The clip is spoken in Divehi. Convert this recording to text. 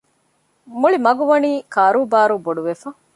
މުޅި މަގުވަނީ ކާރޫބާރޫ ބޮޑުވެފަ